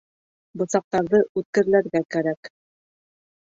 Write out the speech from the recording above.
Бысаҡтарҙы үткерләргә кәрәк